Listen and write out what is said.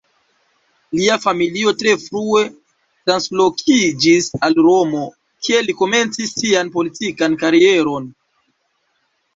Lia familio tre frue translokiĝis al Romo, kie li komencis sian politikan karieron.